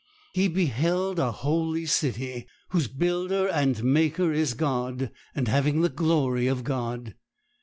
He beheld a holy city, whose builder and maker is God, and having the glory of God.